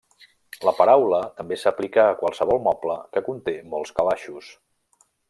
La paraula també s'aplica a qualsevol moble que conté molts calaixos.